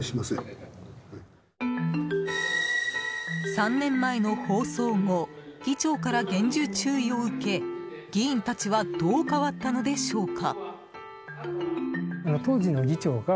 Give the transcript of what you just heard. ３年前の放送後議長から厳重注意を受け議員たちはどう変わったのでしょうか。